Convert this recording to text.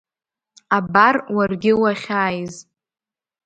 Абар, уаргьы уахьааиз.